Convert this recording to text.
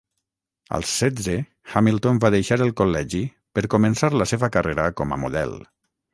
Als setze, Hamilton va deixar el col·legi per començar la seva carrera com a model.